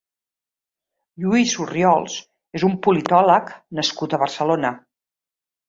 Lluís Orriols és un politòleg nascut a Barcelona.